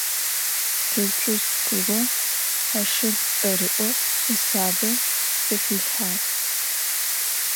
Têutsoj Tsığo aşşug ts'erı'u, vusabe zexilhhağ.